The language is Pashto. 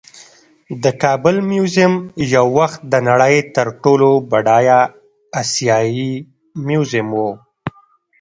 د کابل میوزیم یو وخت د نړۍ تر ټولو بډایه آسیايي میوزیم و